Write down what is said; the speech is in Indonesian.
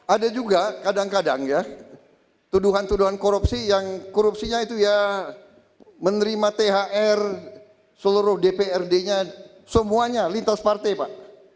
ada juga kadang kadang ya tuduhan tuduhan korupsi yang korupsinya itu ya menerima thr seluruh dprd nya semuanya lintas partai pak